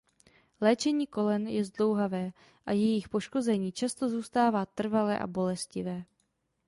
Léčení kolen je zdlouhavé a jejich poškození často zůstává trvalé a bolestivé.